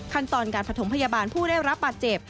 ขั้นตอนการผสมพยาบาลผู้ได้รับบาดเจ็บ